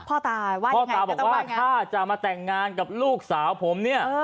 พ่อตาบอกว่าถ้าจะมาแต่งงานกับลูกสาวผมเนี่ย